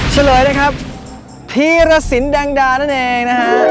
เฉลยนะครับธีรสินแดงดานั่นเองนะฮะ